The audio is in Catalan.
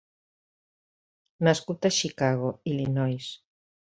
Nascut a Chicago, Illinois.